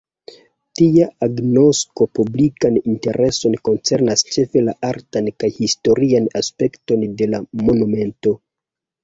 Tia agnosko publikan intereson koncernas ĉefe la artan kaj historian aspekton de la monumento.